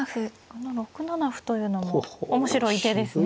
この６七歩というのも面白い手ですね。